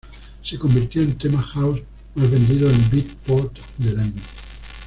Se convirtió en tema house más vendido en Beatport del año.